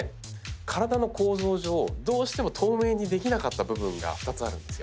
体の構造上どうしても透明にできなかった部分が２つあるんですよ。